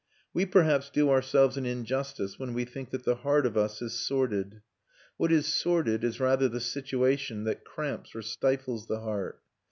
We perhaps do ourselves an injustice when we think that the heart of us is sordid; what is sordid is rather the situation that cramps or stifles the heart.